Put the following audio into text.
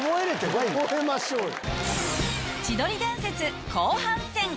覚えましょうよ。